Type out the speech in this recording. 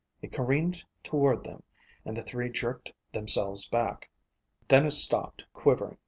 It careened toward them, and the three jerked themselves back. Then it stopped, quivering.